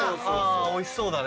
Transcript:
おいしそうだねでも。